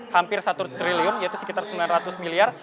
hampir satu triliun yaitu sekitar sembilan ratus miliar